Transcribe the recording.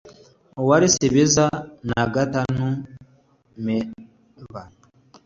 uwarisibiza na gatanumbers,